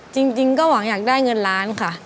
จริงก็หวังอยากได้เงินล้านค่ะ